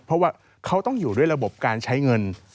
เพราะว่าเขาต้องอยู่ด้วยระบบการใช้เงิน